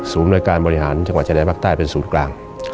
หน่วยการบริหารจังหวัดชายแดนภาคใต้เป็นศูนย์กลาง